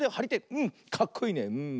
うんかっこいいねうん。